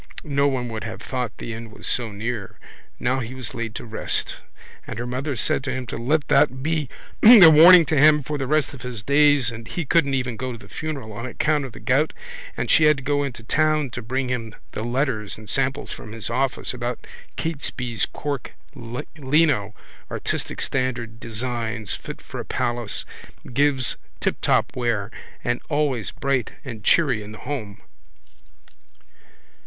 No one would have thought the end was so near. Now he was laid to rest. And her mother said to him to let that be a warning to him for the rest of his days and he couldn't even go to the funeral on account of the gout and she had to go into town to bring him the letters and samples from his office about Catesby's cork lino, artistic, standard designs, fit for a palace, gives tiptop wear and always bright and cheery in the home.